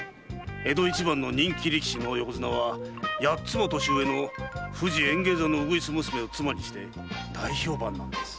江戸一番の人気力士の横綱は八つも年上の富士演芸座のウグイス娘を妻にして大評判なんです。